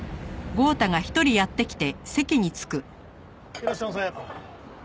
いらっしゃいませ。